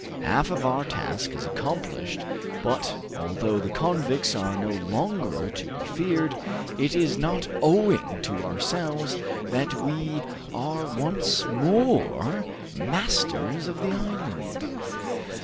Half of our task is accomplished, but although the convicts are no longer to be feared, it is not owing to ourselves that we are once more masters of the island."